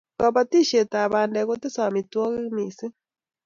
kabatishiet ab badek kotese amitwagik mising